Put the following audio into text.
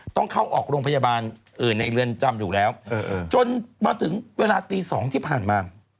ต้องเข้าออกโรงพยาบาลในเรือนจำอยู่แล้วจนมาถึงเวลาตี๒ที่ผ่านมา